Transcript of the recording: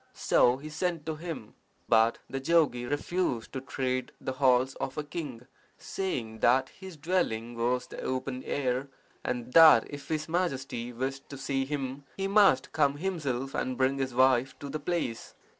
So he sent to him. But the jogi refused to tread the halls of a king, saying that his dwelling was the open air, and that if his Majesty wished to see him he must come himself and bring his wife to the place.